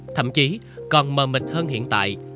thậm chí còn mờ mịch hơn hiện tại